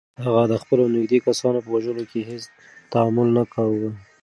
هغه د خپلو نږدې کسانو په وژلو کې هیڅ تامل نه کاوه.